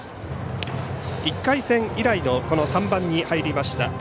１回戦以来の３番に入りました。